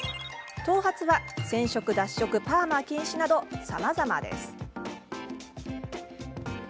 頭髪は染色、脱色パーマ禁止など、さまざまです。